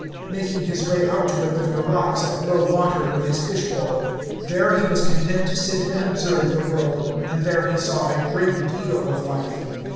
Making his way out to it over the rocks at low water with his fish pole, there he was content to sit and observe the world; and there he saw a great deal of life.